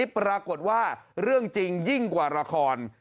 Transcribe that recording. ปรากฏว่าเรื่องจริงยิ่งกว่าละคร